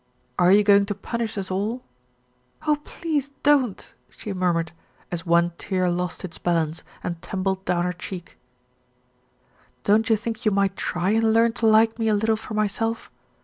"Are you going to punish us all ?" "Oh, please don't!" she murmured, as one tear lost its balance and tumbled down her cheek. "Don't you think you might try and learn to like me a little for myself?